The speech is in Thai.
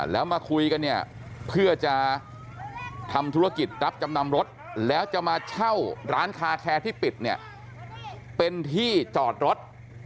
แล้วมาคุยกันเนี่ยเพื่อจะทำธุรกิจรับจำนำรถแล้วจะมาเช่าร้านคาแคร์ที่ปิดเนี่ยเป็นที่จอดรถ